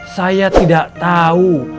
saya tidak tahu